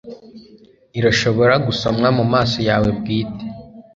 Irashobora gusomwa mumaso yawe bwite